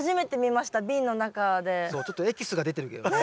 ちょっとエキスが出てるけどね。